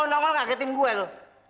siapa nih kau nak ucap kagetin gue loh